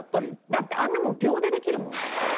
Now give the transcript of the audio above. だってあんなもん秒でできるもん。